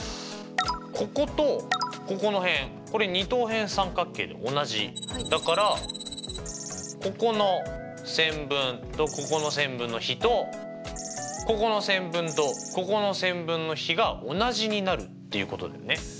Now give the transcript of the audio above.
こことここの辺これ二等辺三角形で同じだからここの線分とここの線分の比とここの線分とここの線分の比が同じになるっていうことだよね。